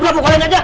gak boleh ngajak